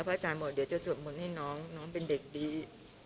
อาจารย์บอกเดี๋ยวจะสวดมนต์ให้น้องน้องเป็นเด็กดี